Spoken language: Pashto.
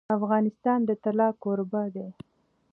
افغانستان د طلا کوربه دی.